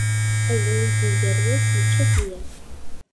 Ayen i d-iger wass, yečča-t yiḍ.